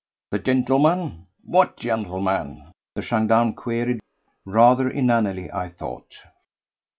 "The gentleman? What gentleman?" the gendarme queried, rather inanely I thought.